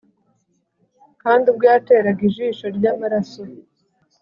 Kandi ubwo yateraga ijisho ryamaraso